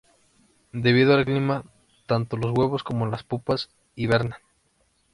Debido al clima, tanto los huevos como las pupas hibernan.